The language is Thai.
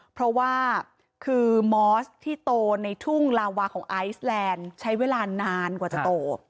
เพราะว่าคือมอสที่โตในทุ่งลาวาของไอซแลนด์ใช้เวลานานกว่าจะโต